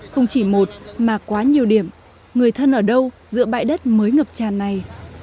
không chỉ một mà quá nhiều điểm người thân ở đâu giữa bãi đất mới ngập tràn này